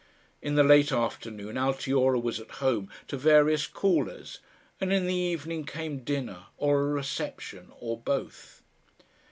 In the late afternoon Altiora was at home to various callers, and in the evening came dinner or a reception or both.